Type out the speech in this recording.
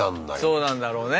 そうなんだろうね。